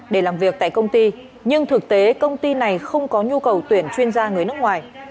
để làm việc tại công ty nhưng thực tế công ty này không có nhu cầu tuyển chuyên gia người nước ngoài